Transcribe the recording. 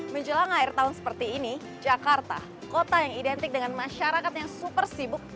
menjelang akhir tahun seperti ini jakarta kota yang identik dengan masyarakat yang super sibuk